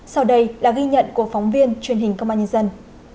sau đây là ghi nhận của phóng viên truyền hình công an nhân dân